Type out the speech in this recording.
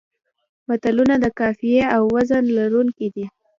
متلونه د قافیې او وزن لرونکي دي